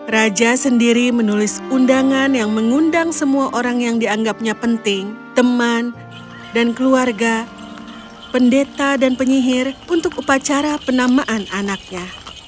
raja sendiri menulis undangan yang mengundang semua orang yang dianggapnya penting teman dan keluarga pendeta dan penyihir untuk upacara penamaan anaknya